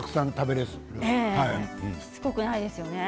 しつこくないですよね。